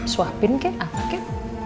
suapin kek apa kek